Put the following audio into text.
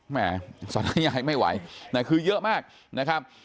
แหมสาธารณะยายไม่ไหวคือเยอะมากนะครับ